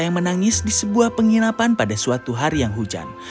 yang menangis di sebuah penginapan pada suatu hari yang hujan